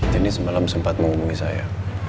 tadi semalam sempat menghubungi saya